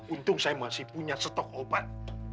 untung saya masih punya stok obat